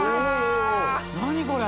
何これ？